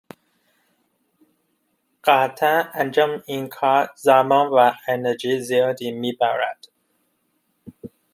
قطعا انجام این کار، زمان و انرژی زیادی میبرد